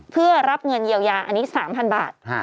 เพื่อรับเงินเยียวยาอันนี้๓๐๐บาท